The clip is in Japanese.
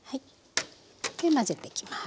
で混ぜていきます。